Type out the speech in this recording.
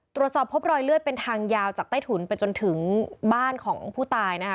ตรวจสอบพบรอยเลือดเป็นทางยาวจากใต้ถุนไปจนถึงบ้านของผู้ตายนะคะ